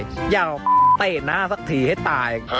อยากเตะหน้าสักทีให้ตาย